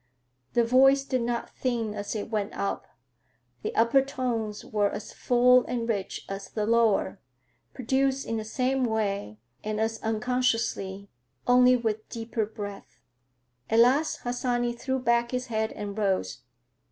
The voice did not thin as it went up; the upper tones were as full and rich as the lower, produced in the same way and as unconsciously, only with deeper breath. At last Harsanyi threw back his head and rose.